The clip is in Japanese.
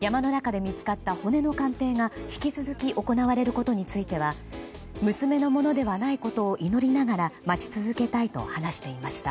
山の中で見つかった骨の鑑定が引き続き行われることについては娘のものではないことを祈りながら待ち続けたいと話していました。